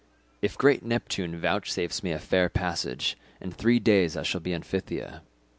If great Neptune vouchsafes me a fair passage, in three days I shall be in Phthia.